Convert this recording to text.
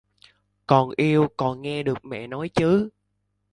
Còn yêu còn nghe được Mẹ nói chứ